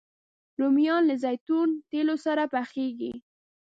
رومیان له زیتون تېلو سره پخېږي